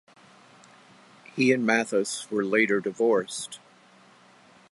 He and Mathis were later divorced.